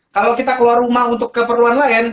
kalau kita keluar rumah untuk keperluan lain